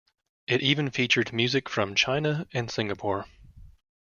It even featured music from China and Singapore.